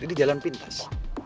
ini jalan pintas